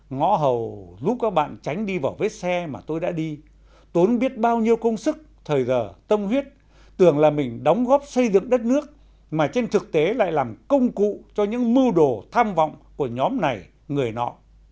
ngõ hầu giúp các bạn tránh đi vào vết xe mà tôi đã đi tốn biết bao nhiêu công sức thời giờ tâm huyết tưởng là mình đóng góp xây dựng đất nước mà trên thực tế lại làm công cụ cho những mưu đồ tham vọng của nhóm này người nọ